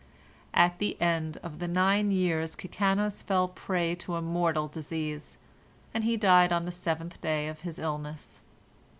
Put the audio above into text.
At the end of the nine years Kikanos fell a prey to a mortal disease, and he died on the seventh day of his illness.